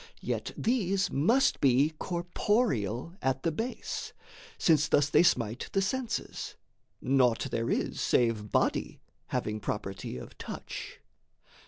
Yet these must be corporeal at the base, Since thus they smite the senses: naught there is Save body, having property of touch.